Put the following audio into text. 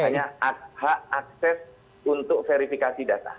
hanya hak akses untuk verifikasi data